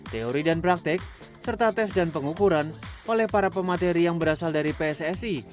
teori dan praktek serta tes dan pengukuran oleh para pemateri yang berasal dari pssi